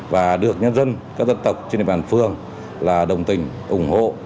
và được nhân dân các dân tộc trên địa bàn phường là đồng tình ủng hộ